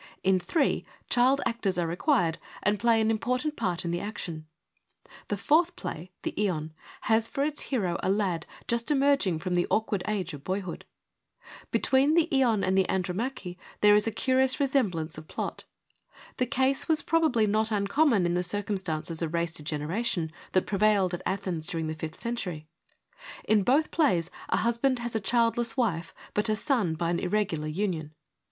In three, child actors are required and play an important part in the action : the fourth play, the Ion, has for its hero a lad, just emerging from the ' awkward age ' of boyhood. Between the Ion and the Andromache there is a curious resemblance of plot. The case was probably not uncommon in the circumstances of race degen eration that prevailed at Athens during the fifth century. In both plays a husband has a childless wife, but a son by an irregular union.